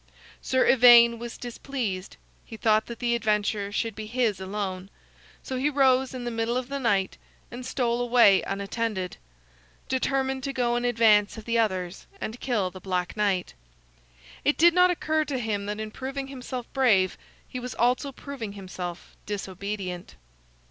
Sir Ivaine was displeased; he thought that the adventure should be his alone. So he rose in the middle of the night and stole away unattended, determined to go in advance of the others and kill the Black Knight. It did not occur to him that in proving himself brave, he was also proving himself disobedient.